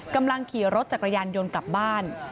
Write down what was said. กำลังขี่รถจักรยานยนต์กลับบ้าน